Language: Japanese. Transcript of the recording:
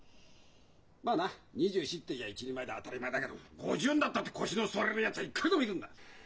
まあな２４って言やあ一人前で当たり前だけど５０になったって腰の据わらねえやつはいくらでもいるんだ。